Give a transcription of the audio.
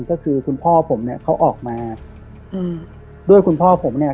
ก็คือคุณพ่อผมเนี่ยเขาออกมาอืมด้วยคุณพ่อผมเนี่ย